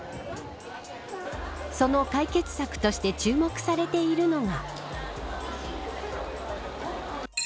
その解決策として注目されているのが。